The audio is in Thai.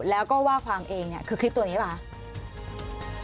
แล้วก็ว่าความเองเนี่ยคือคลิปตัวนี้หรือเปล่าคะ